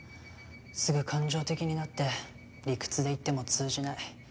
すぐ感情的になって理屈で言っても通じない。